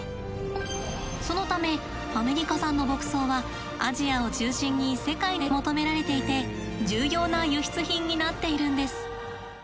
そのためアメリカ産の牧草はアジアを中心に世界で求められていて重要な輸出品になっているんです。